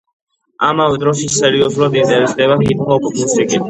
ამავე დროს, ის სერიოზულად ინტერესდება ჰიპ-ჰოპ მუსიკით.